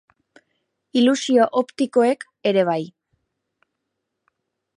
Ilusio optikoek ere bai.